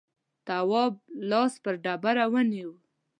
تواب لاس پر ډبره ونيو.